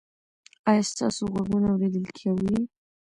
ایا ستاسو غوږونه اوریدل کوي؟